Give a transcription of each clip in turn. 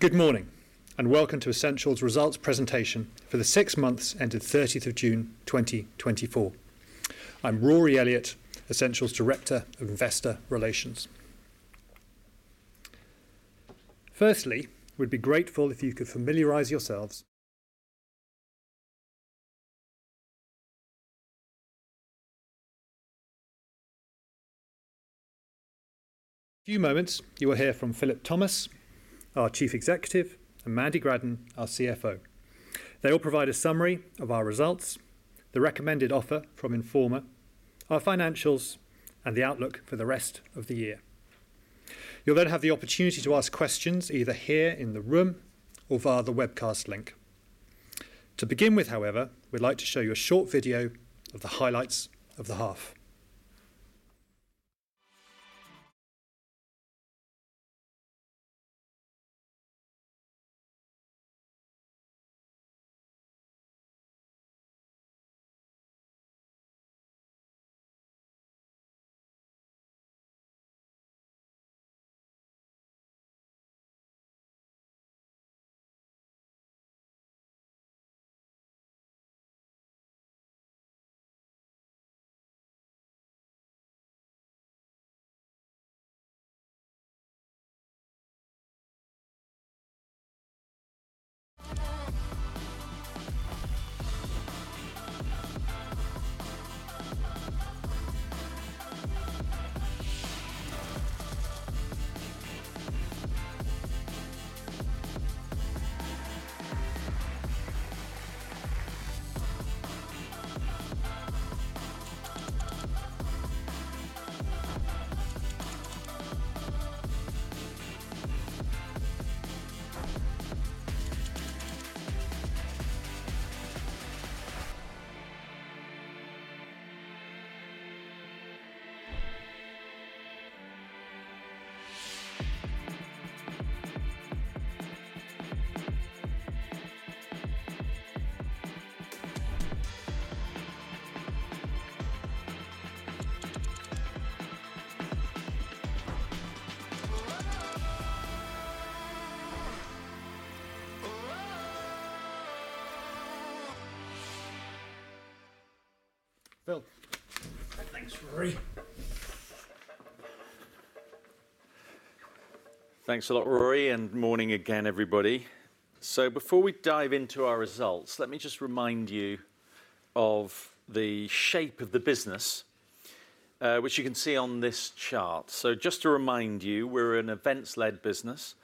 Good morning, and welcome to Ascential Results Presentation for the Six Months Ended 30th of June, 2024. I'm Rory Elliott, Ascential Director of Investor Relations. Firstly, we'd be grateful if you could familiarize yourselves. In a few moments, you will hear from Philip Thomas, our Chief Executive, and Mandy Gradden, our CFO. They will provide a summary of our results, the recommended offer from Informa, our financials, and the outlook for the rest of the year. You'll then have the opportunity to ask questions, either here in the room or via the webcast link. To begin with, however, we'd like to show you a short video of the highlights of the half. Phil? Thanks a lot, Rory, and morning again, everybody. So before we dive into our results, let me just remind you of the shape of the business, which you can see on this chart. So just to remind you, we're an events-led business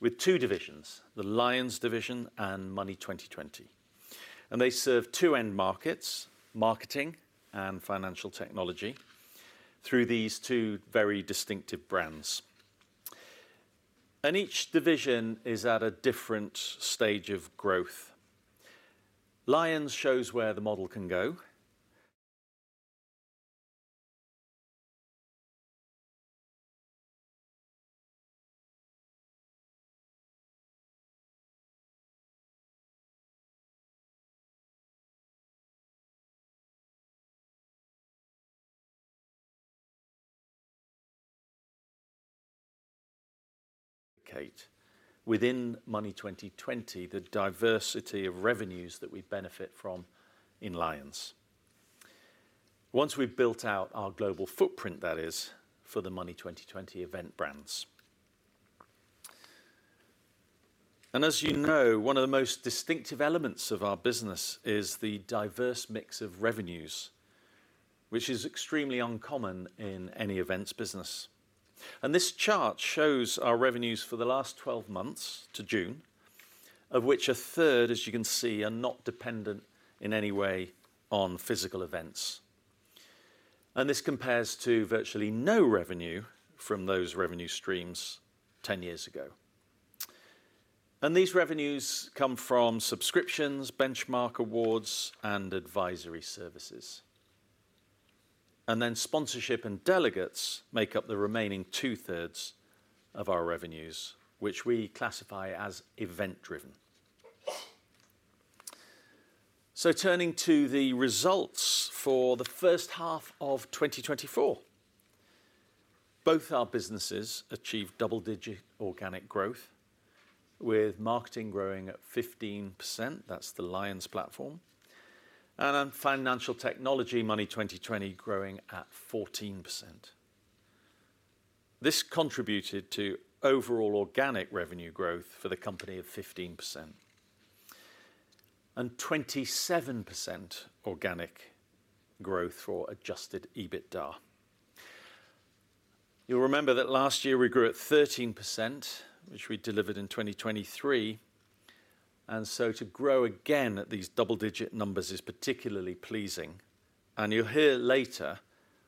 with two divisions, the LIONS division and Money20/20. And they serve two end markets, marketing and financial technology, through these two very distinctive brands. And each division is at a different stage of growth. LIONS shows where the model can go. Replicate within Money20/20, the diversity of revenues that we benefit from in LIONS. Once we've built out our global footprint, that is, for the Money20/20 event brands. And as you know, one of the most distinctive elements of our business is the diverse mix of revenues, which is extremely uncommon in any events business. This chart shows our revenues for the last 12 months to June, of which a third, as you can see, are not dependent in any way on physical events. This compares to virtually no revenue from those revenue streams 10 years ago. These revenues come from subscriptions, benchmark awards, and advisory services. Sponsorship and delegates make up the remaining 2/3 of our revenues, which we classify as event-driven. Turning to the results for the first half of 2024, both our businesses achieved double-digit organic growth, with marketing growing at 15%, that's the LIONS platform, and on financial technology, Money20/20, growing at 14%. This contributed to overall organic revenue growth for the company of 15%, and 27% organic growth for adjusted EBITDA. You'll remember that last year we grew at 13%, which we delivered in 2023, and so to grow again at these double-digit numbers is particularly pleasing. You'll hear later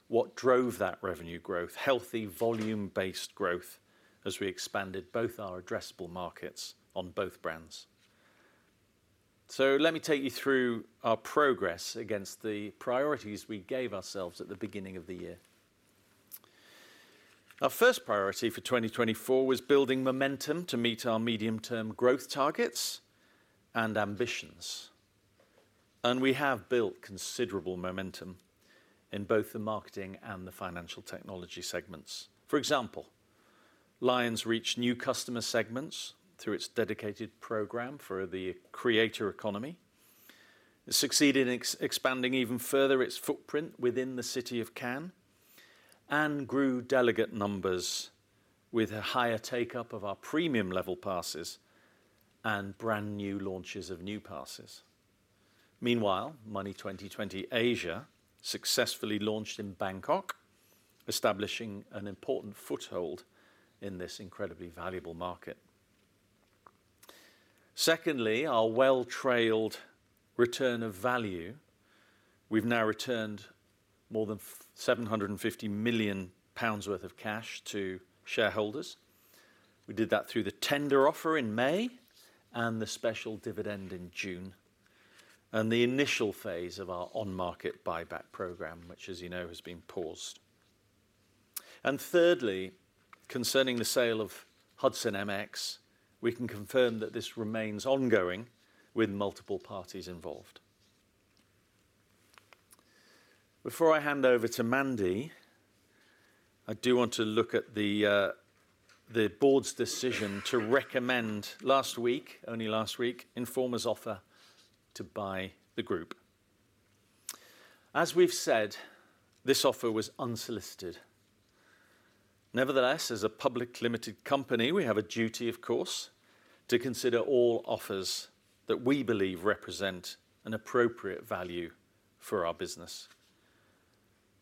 what drove that revenue growth, healthy volume-based growth, as we expanded both our addressable markets on both brands. Let me take you through our progress against the priorities we gave ourselves at the beginning of the year. Our first priority for 2024 was building momentum to meet our medium-term growth targets and ambitions, and we have built considerable momentum in both the marketing and the financial technology segments. For example, LIONS reached new customer segments through its dedicated program for the creator economy. It succeeded in expanding even further its footprint within the city of Cannes, and grew delegate numbers with a higher take-up of our premium level passes and brand new launches of new passes. Meanwhile, Money20/20 Asia successfully launched in Bangkok, establishing an important foothold in this incredibly valuable market. Secondly, our well-trailed return of value. We've now returned more than 750 million pounds worth of cash to shareholders. We did that through the tender offer in May, and the special dividend in June, and the initial phase of our on-market buyback program, which, as you know, has been paused. And thirdly, concerning the sale of Hudson MX, we can confirm that this remains ongoing, with multiple parties involved. Before I hand over to Mandy, I do want to look at the board's decision to recommend last week, only last week, Informa's offer to buy the group. As we've said, this offer was unsolicited. Nevertheless, as a public limited company, we have a duty, of course, to consider all offers that we believe represent an appropriate value for our business.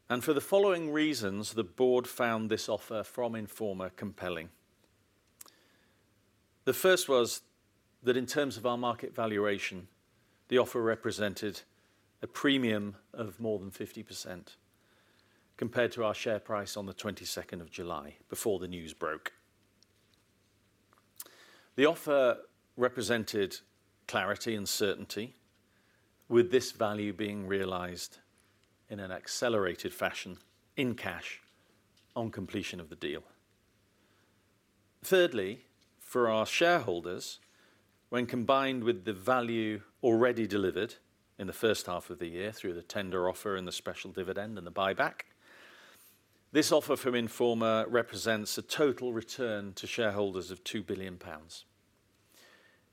And for the following reasons, the board found this offer from Informa compelling. The first was that in terms of our market valuation, the offer represented a premium of more than 50% compared to our share price on the 22 of July, before the news broke. The offer represented clarity and certainty, with this value being realised in an accelerated fashion, in cash, on completion of the deal. Thirdly, for our shareholders, when combined with the value already delivered in the first half of the year through the tender offer and the special dividend and the buyback, this offer from Informa represents a total return to shareholders of 2 billion pounds,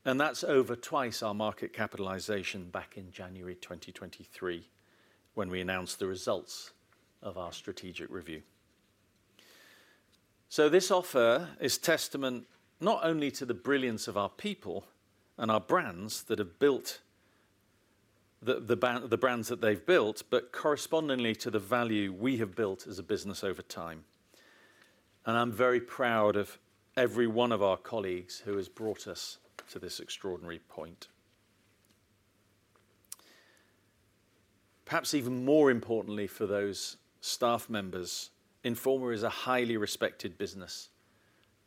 and that's over twice our market capitalisation back in January 2023, when we announced the results of our strategic review. So this offer is testament not only to the brilliance of our people and our brands that have built the brands that they've built, but correspondingly to the value we have built as a business over time, and I'm very proud of every one of our colleagues who has brought us to this extraordinary point. Perhaps even more importantly for those staff members, Informa is a highly respected business,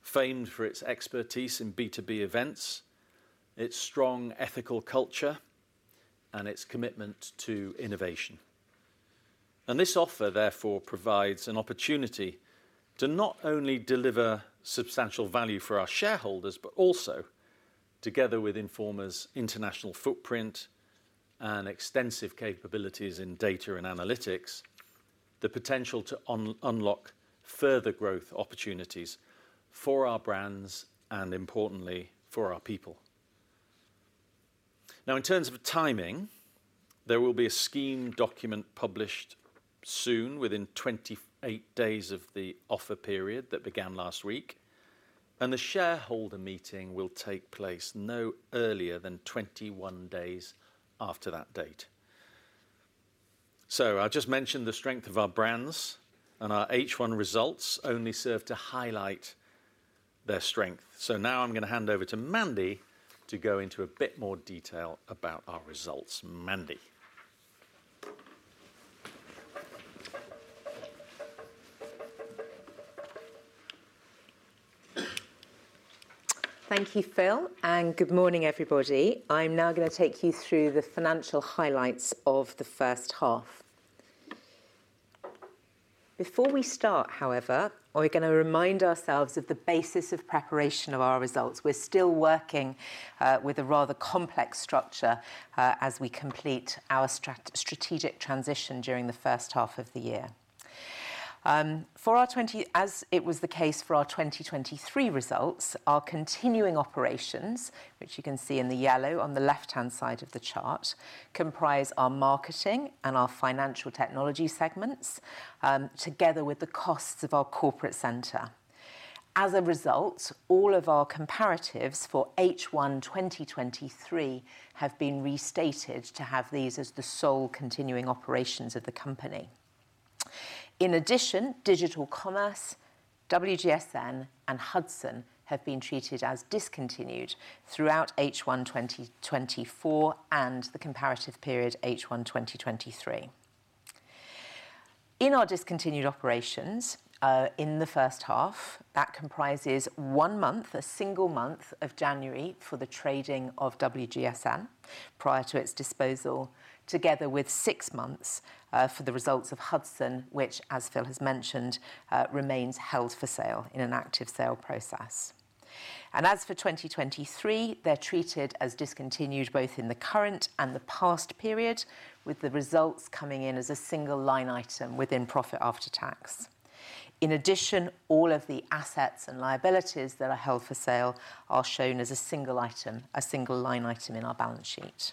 famed for its expertise in B2B events, its strong ethical culture, and its commitment to innovation. And this offer, therefore, provides an opportunity to not only deliver substantial value for our shareholders, but also, together with Informa's international footprint and extensive capabilities in data and analytics, the potential to unlock further growth opportunities for our brands, and importantly, for our people. Now, in terms of timing, there will be a scheme document published soon, within 28 days of the offer period that began last week, and the shareholder meeting will take place no earlier than 21 days after that date. So I've just mentioned the strength of our brands, and our H1 results only serve to highlight their strength. Now I'm going to hand over to Mandy to go into a bit more detail about our results. Mandy? Thank you, Phil, and good morning, everybody. I'm now going to take you through the financial highlights of the first half. Before we start, however, we're going to remind ourselves of the basis of preparation of our results. We're still working with a rather complex structure as we complete our strategic transition during the first half of the year. As it was the case for our 2023 results, our continuing operations, which you can see in the yellow on the left-hand side of the chart, comprise our marketing and our financial technology segments together with the costs of our corporate centre. As a result, all of our comparatives for H1 2023 have been restated to have these as the sole continuing operations of the company. In addition, Digital Commerce, WGSN, and Hudson have been treated as discontinued throughout H1 2024 and the comparative period, H1 2023. In our discontinued operations, in the first half, that comprises one month, a single month of January, for the trading of WGSN prior to its disposal, together with six months, for the results of Hudson, which, as Phil has mentioned, remains held for sale in an active sale process. And as for 2023, they're treated as discontinued both in the current and the past period, with the results coming in as a single line item within profit after tax. In addition, all of the assets and liabilities that are held for sale are shown as a single item, a single line item in our balance sheet.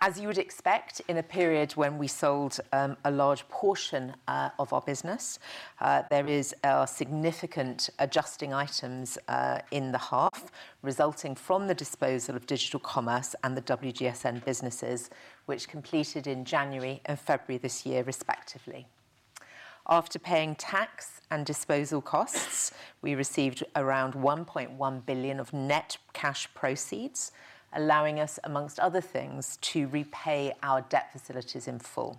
As you would expect in a period when we sold a large portion of our business, there is significant adjusting items in the half, resulting from the disposal of digital commerce and the WGSN businesses, which completed in January and February this year, respectively. After paying tax and disposal costs, we received around 1.1 billion of net cash proceeds, allowing us, amongst other things, to repay our debt facilities in full.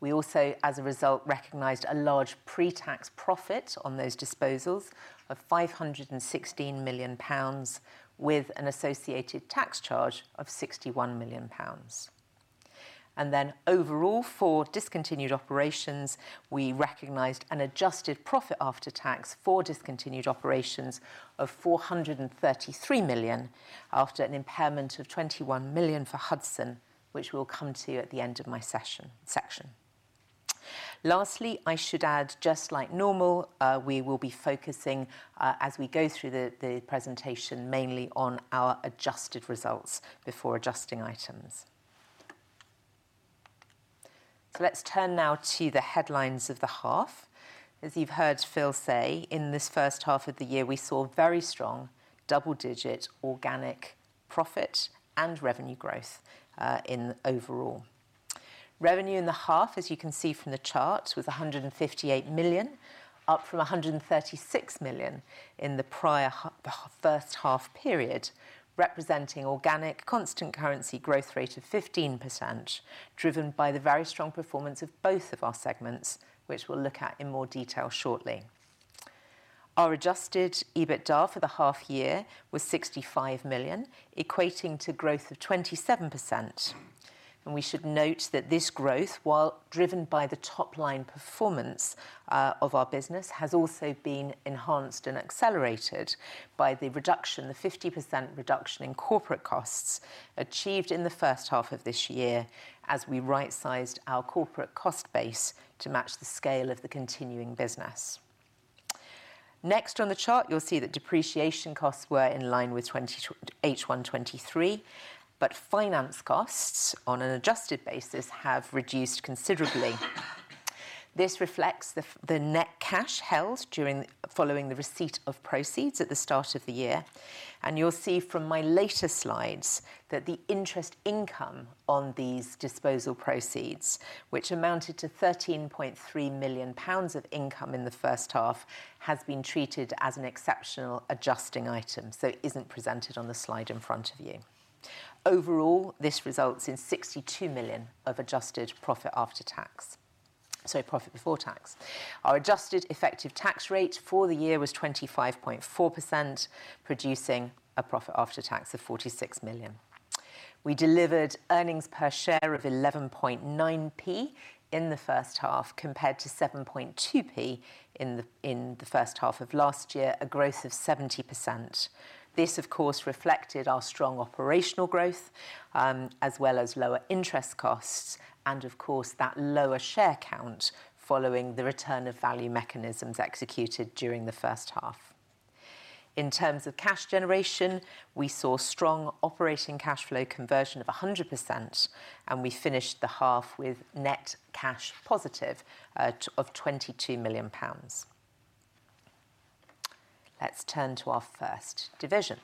We also, as a result, recognized a large pre-tax profit on those disposals of 516 million pounds, with an associated tax charge of 61 million pounds. And then overall, for discontinued operations, we recognized an adjusted profit after tax for discontinued operations of 433 million, after an impairment of 21 million for Hudson, which we'll come to at the end of my session, section. Lastly, I should add, just like normal, we will be focusing, as we go through the, the presentation, mainly on our adjusted results before adjusting items. So let's turn now to the headlines of the half. As you've heard Phil say, in this first half of the year, we saw very strong double-digit organic profit and revenue growth, in overall. Revenue in the half, as you can see from the chart, was 158 million, up from 136 million in the prior first half period, representing organic constant currency growth rate of 15%, driven by the very strong performance of both of our segments, which we'll look at in more detail shortly. Our adjusted EBITDA for the half year was 65 million, equating to growth of 27%. We should note that this growth, while driven by the top-line performance of our business, has also been enhanced and accelerated by the reduction, the 50% reduction in corporate costs achieved in the first half of this year as we right-sized our corporate cost base to match the scale of the continuing business. Next on the chart, you'll see that depreciation costs were in line with H1 2023, but finance costs, on an adjusted basis, have reduced considerably. This reflects the net cash held during following the receipt of proceeds at the start of the year. And you'll see from my later slides that the interest income on these disposal proceeds, which amounted to 13.3 million pounds of income in the first half, has been treated as an exceptional adjusting item, so it isn't presented on the slide in front of you. Overall, this results in 62 million of adjusted profit after tax, sorry, profit before tax. Our adjusted effective tax rate for the year was 25.4%, producing a profit after tax of 46 million. We delivered earnings per share of 0.119 in the first half, compared to 0.072 in the first half of last year, a growth of 70%. This, of course, reflected our strong operational growth, as well as lower interest costs and of course, that lower share count following the return of value mechanisms executed during the first half. In terms of cash generation, we saw strong operating cash flow conversion of 100%, and we finished the half with net cash positive of 22 million pounds. Let's turn to our first division.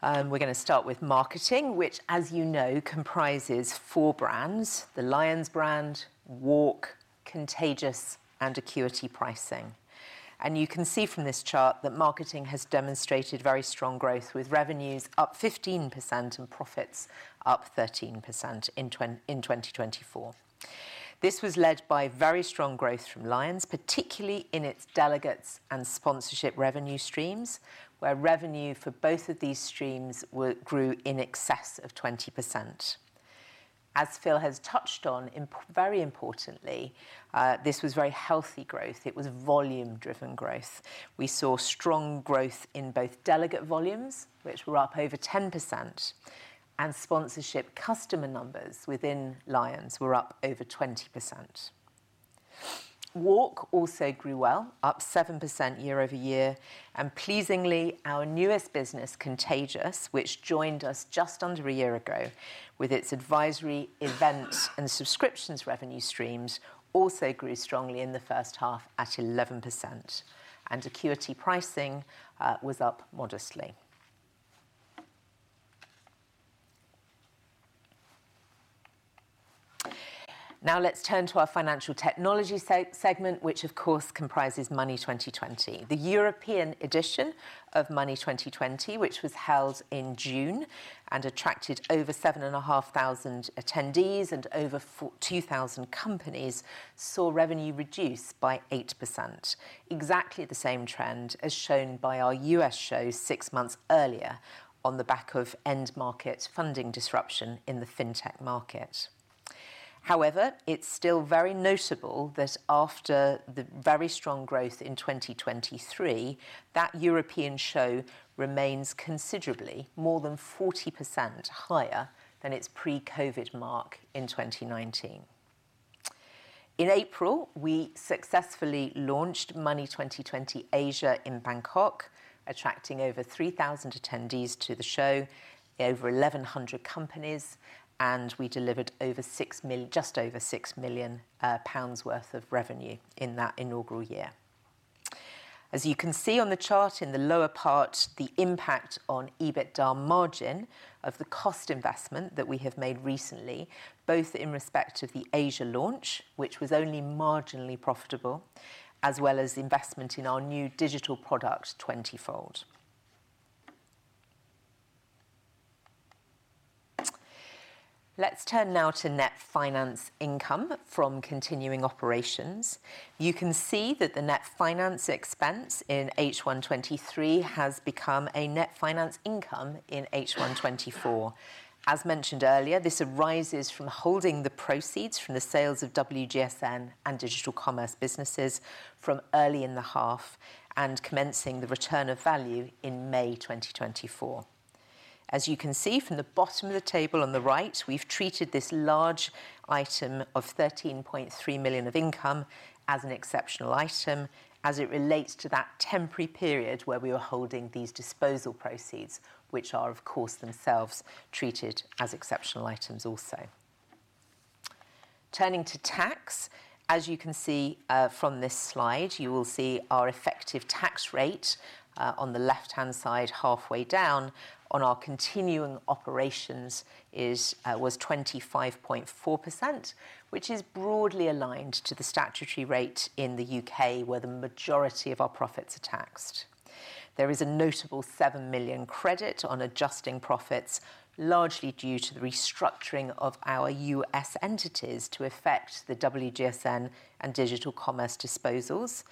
We're going to start with marketing, which, as you know, comprises four brands: the LIONS brand, WARC, Contagious, and Acuity Pricing. And you can see from this chart that marketing has demonstrated very strong growth, with revenues up 15% and profits up 13% in 2024. This was led by very strong growth from LIONS, particularly in its delegates and sponsorship revenue streams, where revenue for both of these streams were grew in excess of 20%. As Phil has touched on, very importantly, this was very healthy growth. It was volume-driven growth. We saw strong growth in both delegate volumes, which were up over 10%, and sponsorship customer numbers within LIONS were up over 20%. WARC also grew well, up 7% year-over-year. And pleasingly, our newest business, Contagious, which joined us just under a year ago, with its advisory events and subscriptions revenue streams, also grew strongly in the first half at 11%, and Acuity Pricing was up modestly. Now, let's turn to our financial technology segment, which of course comprises Money20/20. The European edition of Money20/20, which was held in June and attracted over 7,500 attendees and over 2,000 companies, saw revenue reduce by 8%, exactly the same trend as shown by our U.S. show six months earlier on the back of end-market funding disruption in the fintech market. However, it's still very notable that after the very strong growth in 2023, that European show remains considerably more than 40% higher than its pre-COVID mark in 2019. In April, we successfully launched Money20/20 Asia in Bangkok, attracting over 3,000 attendees to the show, over 1,100 companies, and we delivered over 6 mil- just over 6 million pounds worth of revenue in that inaugural year. As you can see on the chart in the lower part, the impact on EBITDA margin of the cost investment that we have made recently, both in respect of the Asia launch, which was only marginally profitable, as well as investment in our new digital product, Twentyfold. Let's turn now to net finance income from continuing operations. You can see that the net finance expense in H1 2023 has become a net finance income in H1 2024. As mentioned earlier, this arises from holding the proceeds from the sales of WGSN and Digital Commerce businesses from early in the half and commencing the return of value in May 2024. As you can see from the bottom of the table on the right, we've treated this large item of 13.3 million of income as an exceptional item, as it relates to that temporary period where we were holding these disposal proceeds, which are, of course, themselves treated as exceptional items also. Turning to tax, as you can see, from this slide, you will see our effective tax rate, on the left-hand side, halfway down on our continuing operations is, was 25.4%, which is broadly aligned to the statutory rate in the U.K., where the majority of our profits are taxed. There is a notable 7 million credit on adjusting profits, largely due to the restructuring of our U.S. entities to affect the WGSN and Digital Commerce disposals,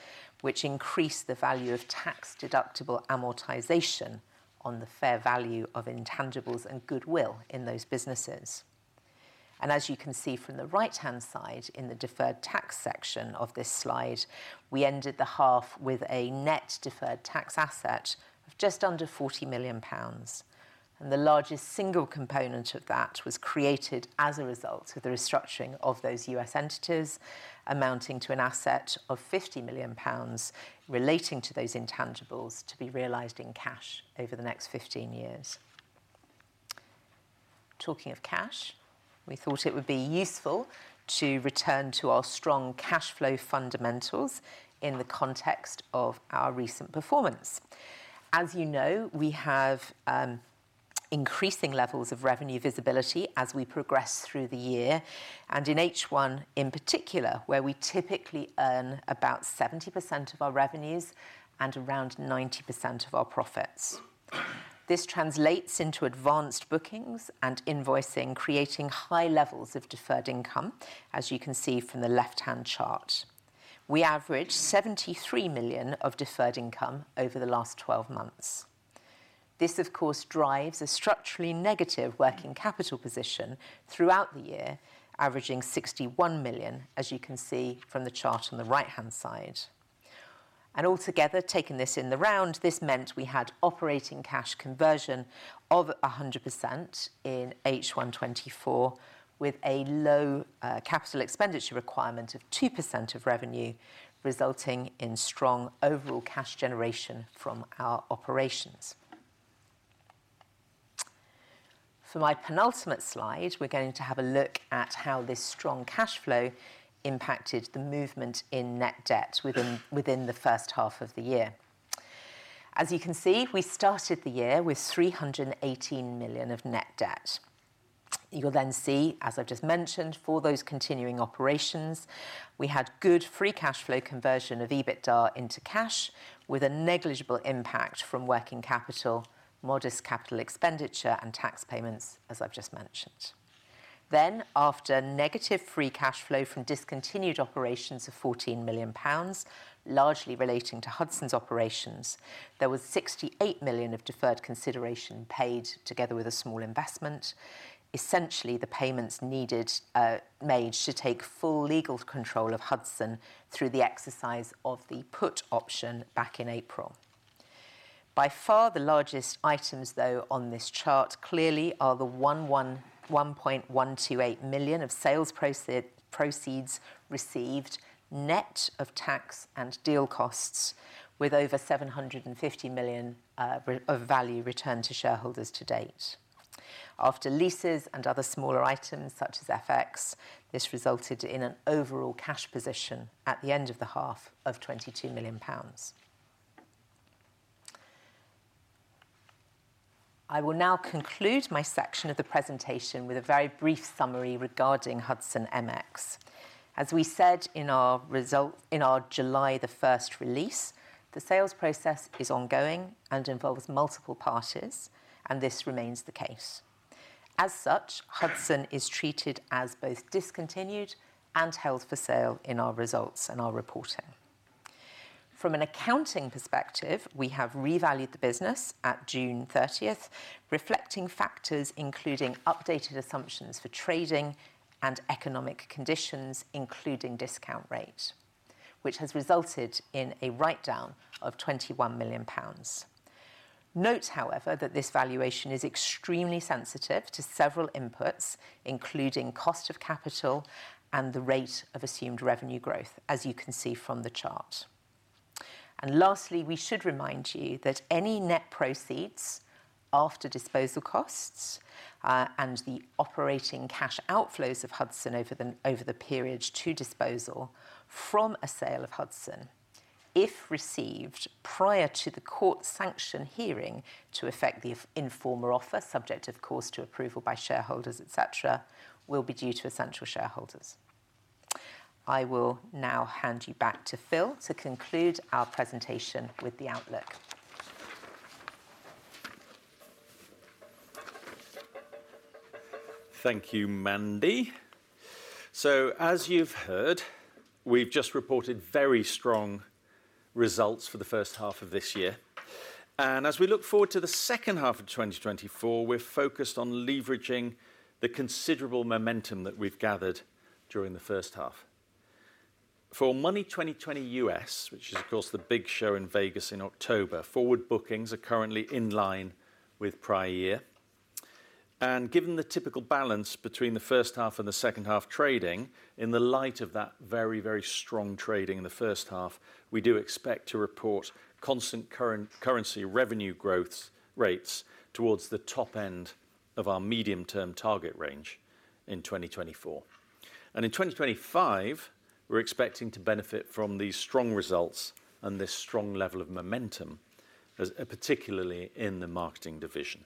which increase the value of tax-deductible amortization on the fair value of intangibles and goodwill in those businesses. As you can see from the right-hand side, in the Deferred Tax section of this slide, we ended the half with a net deferred tax asset of just under 40 million pounds, and the largest single component of that was created as a result of the restructuring of those U.S. entities, amounting to an asset of 50 million pounds relating to those intangibles to be realized in cash over the next 15 years. Talking of cash, we thought it would be useful to return to our strong cash flow fundamentals in the context of our recent performance. As you know, we have increasing levels of revenue visibility as we progress through the year, and in H1, in particular, where we typically earn about 70% of our revenues and around 90% of our profits. This translates into advanced bookings and invoicing, creating high levels of deferred income, as you can see from the left-hand chart. We averaged 73 million of deferred income over the last 12 months. This, of course, drives a structurally negative working capital position throughout the year, averaging 61 million, as you can see from the chart on the right-hand side. And altogether, taking this in the round, this meant we had operating cash conversion of 100% in H1 2024, with a low, capital expenditure requirement of 2% of revenue, resulting in strong overall cash generation from our operations. For my penultimate slide, we're going to have a look at how this strong cash flow impacted the movement in net debt within the first half of the year. As you can see, we started the year with 318 million of net debt. You'll then see, as I've just mentioned, for those continuing operations, we had good free cash flow conversion of EBITDA into cash with a negligible impact from working capital, modest capital expenditure, and tax payments, as I've just mentioned. Then, after negative free cash flow from discontinued operations of 14 million pounds, largely relating to Hudson's operations, there was 68 million of deferred consideration paid together with a small investment. Essentially, the payments needed made to take full legal control of Hudson through the exercise of the put option back in April. By far, the largest items, though, on this chart, clearly are the 1.128 billion of sales proceeds received, net of tax and deal costs, with over 750 million of value returned to shareholders to date. After leases and other smaller items, such as FX, this resulted in an overall cash position at the end of the half of 22 million pounds. I will now conclude my section of the presentation with a very brief summary regarding Hudson MX. As we said in our July the first release, the sales process is ongoing and involves multiple parties, and this remains the case. As such, Hudson is treated as both discontinued and held for sale in our results and our reporting. From an accounting perspective, we have revalued the business at June 30th, reflecting factors including updated assumptions for trading and economic conditions, including discount rate, which has resulted in a write-down of 21 million pounds. Note, however, that this valuation is extremely sensitive to several inputs, including cost of capital and the rate of assumed revenue growth, as you can see from the chart. And lastly, we should remind you that any net proceeds after disposal costs, and the operating cash outflows of Hudson over the period to disposal from a sale of Hudson, if received prior to the court sanction hearing to effect the Informa offer, subject of course to approval by shareholders, et cetera, will be due to Ascential shareholders. I will now hand you back to Phil to conclude our presentation with the outlook. Thank you, Mandy. As you've heard, we've just reported very strong results for the first half of this year. As we look forward to the second half of 2024, we're focused on leveraging the considerable momentum that we've gathered during the first half. For Money20/20 USA, which is, of course, the big show in Vegas in October, forward bookings are currently in line with prior year. Given the typical balance between the first half and the second half trading, in the light of that very, very strong trading in the first half, we do expect to report constant currency revenue growth rates towards the top end of our medium-term target range in 2024. In 2025, we're expecting to benefit from these strong results and this strong level of momentum, as particularly in the marketing division.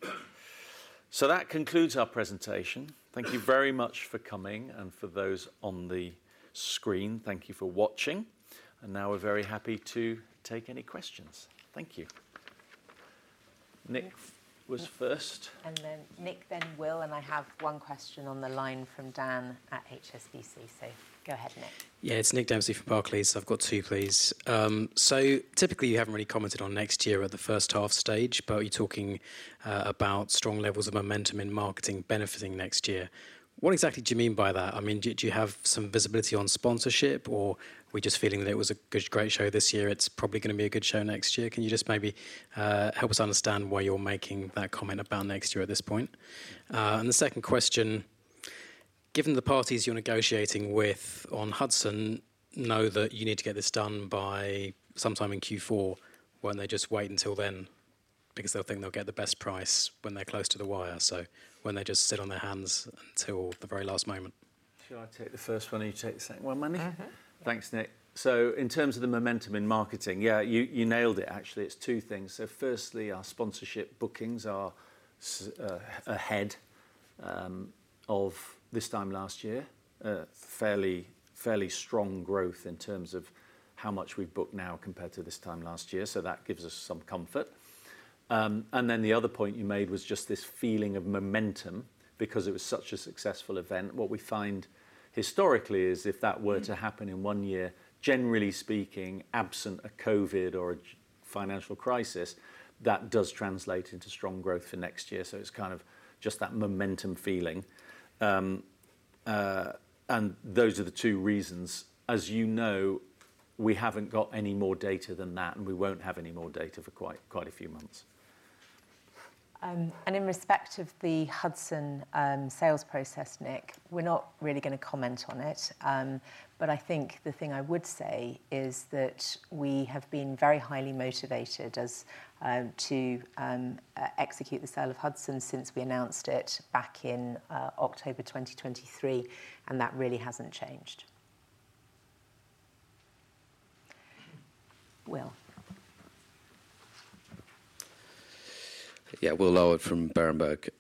That concludes our presentation. Thank you very much for coming, and for those on the screen, thank you for watching. Now we're very happy to take any questions. Thank you. Nick was first. Then Nick, then Will, and I have one question on the line from Dan at HSBC. So go ahead, Nick. Yeah, it's Nick Dempsey from Barclays. I've got two, please. So typically, you haven't really commented on next year at the first half stage, but you're talking about strong levels of momentum in marketing benefiting next year. What exactly do you mean by that? I mean, do you have some visibility on sponsorship, or we're just feeling that it was a good, great show this year, it's probably gonna be a good show next year? Can you just maybe help us understand why you're making that comment about next year at this point? And the second question: given the parties you're negotiating with on Hudson know that you need to get this done by sometime in Q4, won't they just wait until then because they'll think they'll get the best price when they're close to the wire? So won't they just sit on their hands until the very last moment? Shall I take the first one, and you take the second one, Mandy? Yes. Thanks, Nick. So in terms of the momentum in marketing, yeah, you, you nailed it, actually. It's two things. So firstly, our sponsorship bookings are ahead of this time last year. Fairly, fairly strong growth in terms of how much we've booked now compared to this time last year, so that gives us some comfort. And then the other point you made was just this feeling of momentum because it was such a successful event. What we find historically is, if that were to happen in one year, generally speaking, absent a COVID or a financial crisis, that does translate into strong growth for next year. So it's kind of just that momentum feeling. And those are the two reasons. As you know, we haven't got any more data than that, and we won't have any more data for quite, quite a few months. In respect of the Hudson sales process, Nick, we're not really gonna comment on it. But I think the thing I would say is that we have been very highly motivated to execute the sale of Hudson since we announced it back in October 2023, and that really hasn't changed. Will? Yeah, Will Howard from Berenberg.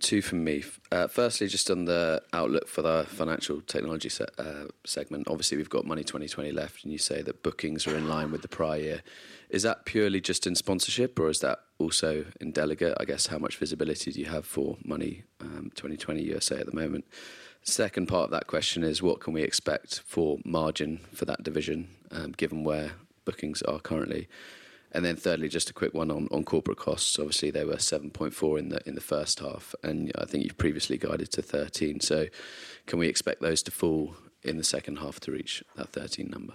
Two from me. Firstly, just on the outlook for the financial technology segment, obviously, we've got Money20/20 left, and you say that bookings are in line with the prior year. Is that purely just in sponsorship, or is that also in delegate? I guess, how much visibility do you have for Money20/20 USA at the moment? Second part of that question is, what can we expect for margin for that division, given where bookings are currently? And then thirdly, just a quick one on corporate costs. Obviously, they were 7.4 million in the first half, and I think you've previously guided to 13 million. So can we expect those to fall in the second half to reach that 13 million number?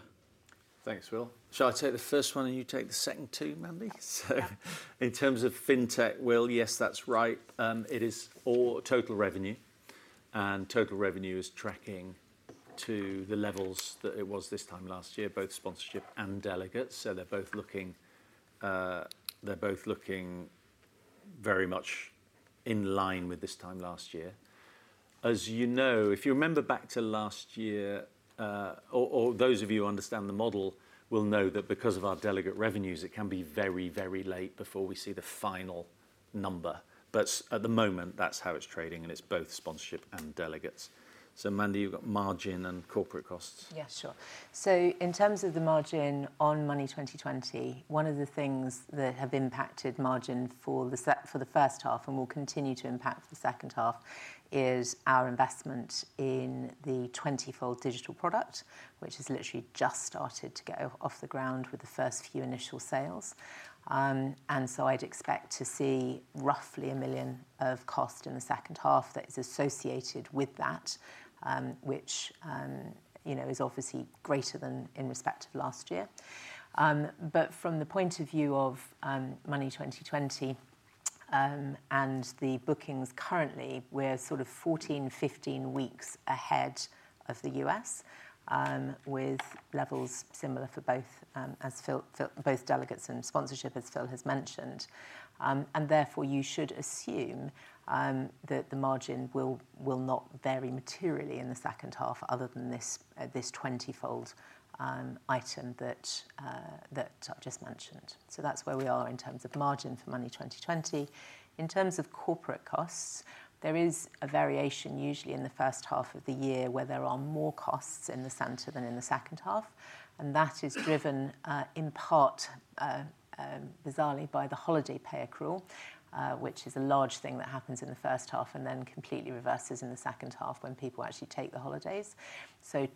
Thanks, Will. Shall I take the first one, and you take the second two, Mandy? Yes. Yeah. So in terms of fintech, Will, yes, that's right. It is all total revenue, and total revenue is tracking to the levels that it was this time last year, both sponsorship and delegates. So they're both looking very much in line with this time last year. As you know, if you remember back to last year, or those of you who understand the model will know that because of our delegate revenues, it can be very, very late before we see the final number, but at the moment, that's how it's trading, and it's both sponsorship and delegates. So Mandy, you've got margin and corporate costs. Yeah, sure. So in terms of the margin on Money20/20, one of the things that have impacted margin for the first half and will continue to impact the second half, is our investment in the Twentyfold digital product, which has literally just started to get off the ground with the first few initial sales. And so I'd expect to see roughly 1 million of cost in the second half that is associated with that, which, you know, is obviously greater than in respect to last year. But from the point of view of, Money20/20, and the bookings currently, we're sort of 14, 15 weeks ahead of the U.S., with levels similar for both, as Phil both delegates and sponsorship, as Phil has mentioned. And therefore, you should assume that the margin will not vary materially in the second half other than this Twentyfold item that I've just mentioned. So that's where we are in terms of margin for Money20/20. In terms of corporate costs, there is a variation, usually in the first half of the year, where there are more costs in the center than in the second half, and that is driven, in part, bizarrely, by the holiday pay accrual, which is a large thing that happens in the first half and then completely reverses in the second half when people actually take their holidays. So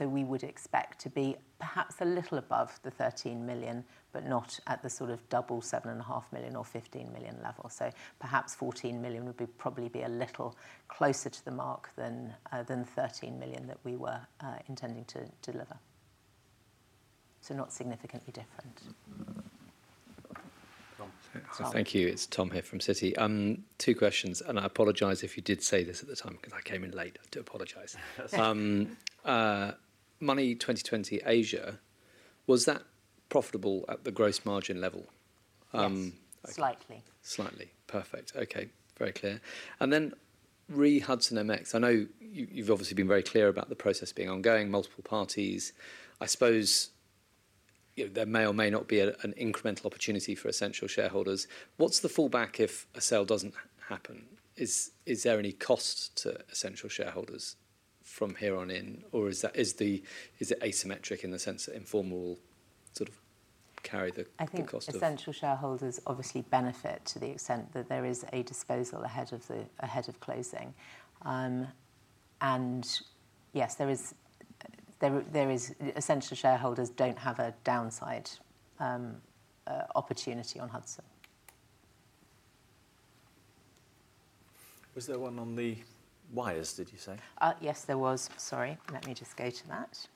we would expect to be perhaps a little above the 13 million, but not at the sort of double 7.5 million or 15 million level. So perhaps 14 million would be probably be a little closer to the mark than, than the 13 million that we were intending to deliver. So not significantly different. Tom? Tom? So thank you. It's Tom here from Citi. Two questions, and I apologize if you did say this at the time because I came in late. I do apologize. Money20/20 Asia, was that profitable at the gross margin level? Yes, slightly. Slightly. Perfect. Okay, very clear. And then, re Hudson MX, I know you, you've obviously been very clear about the process being ongoing, multiple parties. I suppose, you know, there may or may not be an incremental opportunity for Ascential shareholders. What's the fallback if a sale doesn't happen? Is there any cost to Ascential shareholders from here on in, or is that—is it asymmetric in the sense that Informa will sort of carry the cost of— I think Ascential shareholders obviously benefit to the extent that there is a disposal ahead of closing. And yes, there is. Ascential shareholders don't have a downside opportunity on Hudson. Was there one on the wires, did you say? Yes, there was. Sorry, let me just go to that.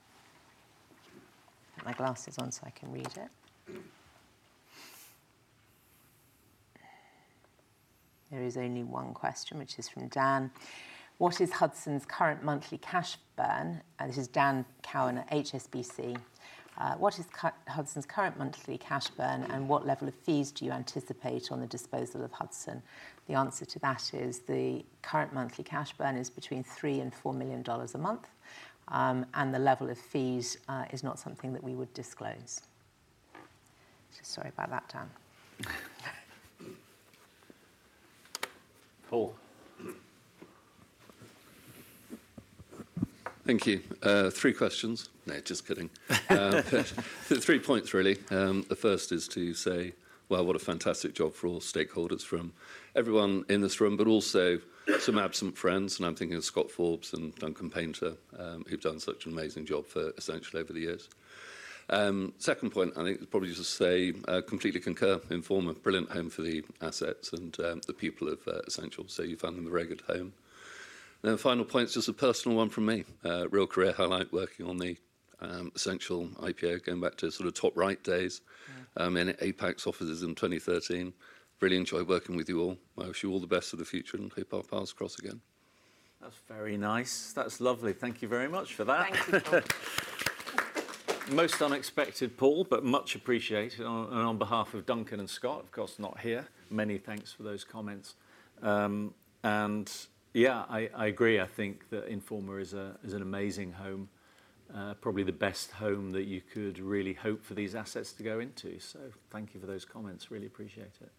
Put my glasses on so I can read it. There is only one question, which is from Dan: "What is Hudson's current monthly cash burn?" This is Dan Cowan at HSBC. "What is Hudson's current monthly cash burn, and what level of fees do you anticipate on the disposal of Hudson?" The answer to that is, the current monthly cash burn is between $3 million and $4 million a month, and the level of fees is not something that we would disclose. So sorry about that, Dan. Paul? Thank you. Three questions. No, just kidding. Three points, really. The first is to say, wow, what a fantastic job for all stakeholders from everyone in this room, but also some absent friends, and I'm thinking of Scott Forbes and Duncan Painter, who've done such an amazing job for Ascential over the years. Second point, I think, is probably just to say, I completely concur, Informa, brilliant home for the assets and, the people of, Ascential, so you found them a very good home. Then final point is just a personal one from me. Real career highlight, working on the, Ascential IPO, going back to sort of Top Right days, in Apax offices in 2013. Really enjoyed working with you all. I wish you all the best for the future, and hope our paths cross again. That's very nice. That's lovely. Thank you very much for that. Thank you, Paul. Most unexpected, Paul, but much appreciated. Oh, and on behalf of Duncan and Scott, of course, not here, many thanks for those comments. And yeah, I agree. I think that Informa is an amazing home, probably the best home that you could really hope for these assets to go into. So thank you for those comments. Really appreciate it.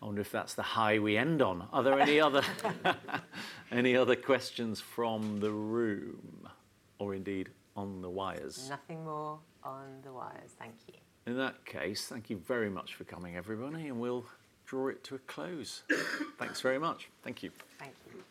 I wonder if that's the high we end on. Are there any other questions from the room, or indeed, on the wires? Nothing more on the wires. Thank you. In that case, thank you very much for coming, everybody, and we'll draw it to a close. Thanks very much. Thank you. Thank you.